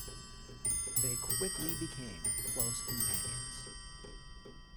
They quickly became close companions.